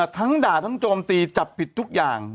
ทั้งด่าทั้งโจมตีจับผิดทุกอย่าง